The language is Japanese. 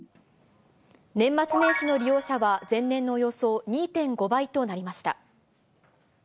年末年始の利用者は、前年のおよそ２．５倍となりました。